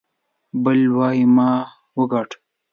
بل وايي ما وګاټه.